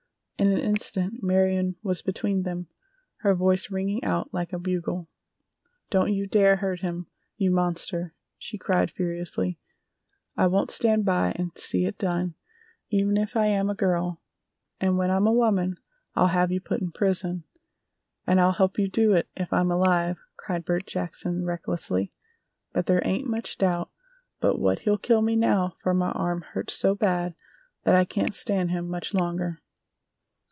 In an instant Marion was between them, her voice ringing out like a bugle. "Don't you dare to hurt him, you monster!" she cried furiously; "I won't stand by and see it done even if I am a girl! And when I'm a woman I'll have you put in prison!" "And I'll help you do it, if I'm alive!" cried Bert Jackson, recklessly; "but there ain't much doubt but what he'll kill me now for my arm hurts so bad that I can't stand him much longer!"